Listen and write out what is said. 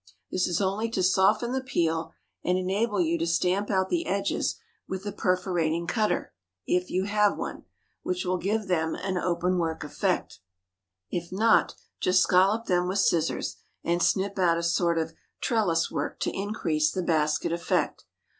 This is only to soften the peel and enable you to stamp out the edges with a perforating cutter, if you have one, which will give them an openwork effect; if not, just scallop them with scissors, and snip out a sort of trellis work to increase the basket effect.